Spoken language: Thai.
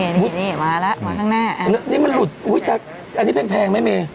นี่นี่นี่มาแล้วมาข้างหน้านี่มันหลุดอุ้ยจักรอันนี้แพงไม่มี